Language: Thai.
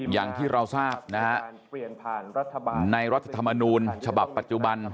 อย่างที่เราทราบนะฮะในรัฐธรรมนูญฉบับปัจจุบัน